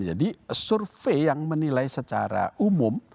jadi survei yang menilai secara umum